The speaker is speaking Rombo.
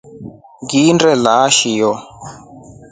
Nginda lala chio.